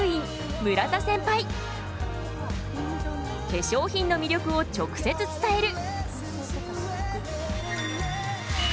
化粧品の魅力を直接伝える！